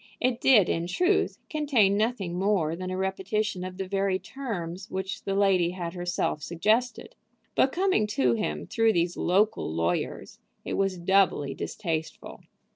It did, in truth, contain nothing more than a repetition of the very terms which the lady had herself suggested; but coming to him through these local lawyers it was doubly distasteful.